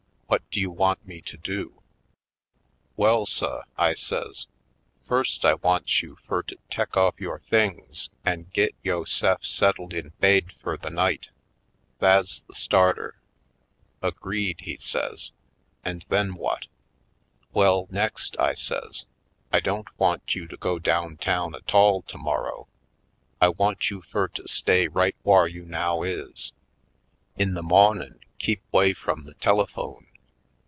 What do you want me to do?" "Well suh," I says, "first I wants you fur to %o tek off yore things an' git yo'se'f settled in baid fur the night. Tha's the starter." "Agreed," he says — "and then, what?" "Well, next," I says, "I don't want you to go down town a tall tomorrow. I want you fur to stay right whar you now is. In the mawnin' keep 'way frum the telephone.